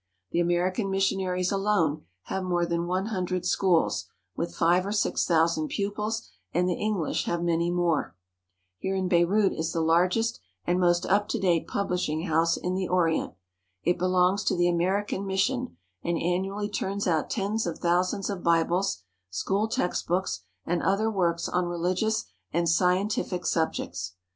The American missionaries alone have more than one hundred schools, with five or six thousand pupils, and the English have many more. Here in Beirut is the largest and most up to date pub lishing house in the Orient. It belongs to the American mission, and annually turns out tens of thousands of Bibles, school textbooks, and other works on religious and scientific subjects.